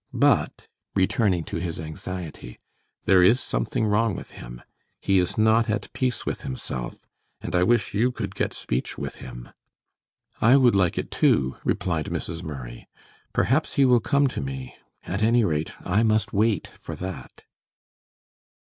But," returning to his anxiety, "there is something wrong with him. He is not at peace with himself, and I wish you could get speech with him." "I would like it, too," replied Mrs. Murray. "Perhaps he will come to me. At any rate, I must wait for that."